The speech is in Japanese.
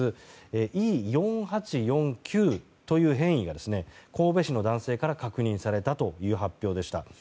Ｅ４８４Ｑという変異が神戸市の男性から確認されたという発表でした。